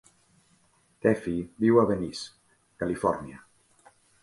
Teefy viu a Venice, Califòrnia.